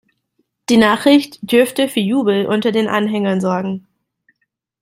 Die Nachricht dürfte für Jubel unter den Anhängern sorgen.